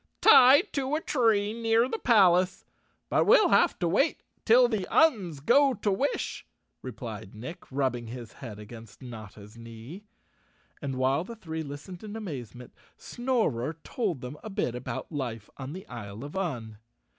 "Tied to a tree near the palace. But we'll have to wait till the Uns go to wish," replied Nick, rubbing his head against Notta's knee. And while the three lis 165 The Cowardly Lion of Oz _ tened in amazement Snorer told them a bit about life on the Isle of Un.